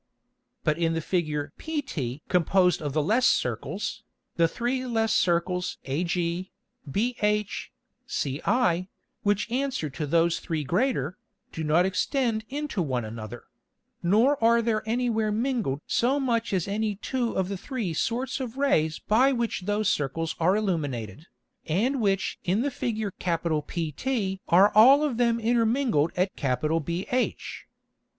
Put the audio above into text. But in the Figure pt composed of the less Circles, the three less Circles ag, bh, ci, which answer to those three greater, do not extend into one another; nor are there any where mingled so much as any two of the three sorts of Rays by which those Circles are illuminated, and which in the Figure PT are all of them intermingled at BH.